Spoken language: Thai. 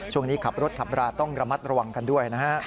ช่วงนี้ขับรถขับราต้องระมัดระวังกันด้วยนะฮะ